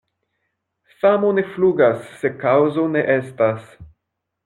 Famo ne flugas, se kaŭzo ne estas.